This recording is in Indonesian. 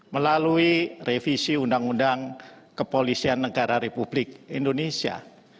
melalui revisi undang undang kepolisian negara republik indonesia